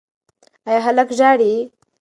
ایا هلک ژاړي؟